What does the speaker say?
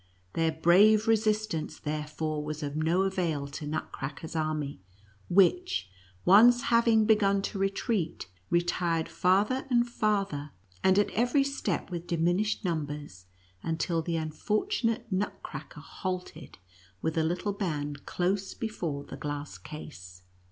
Their brave resistance, therefore, was of no avail to Nutcracker's army, which, once having begun to retreat, retired farther and farther, and at every step with diminished num bers, until the unfortunate Nutcracker halted with a little band close before the glass case.